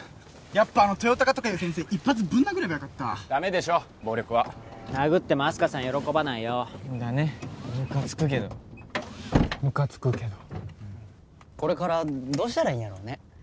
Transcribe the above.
やっぱあの豊高とかいう先生一発ぶん殴ればよかったダメでしょ暴力は殴ってもあす花さん喜ばないよだねムカつくけどムカつくけどこれからどうしたらいいんやろね